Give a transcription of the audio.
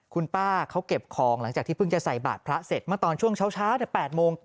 คุณป้าเขาเก็บของหลังจากที่เพิ่งจะใส่บาทพระเสร็จเมื่อตอนช่วงเช้า๘โมง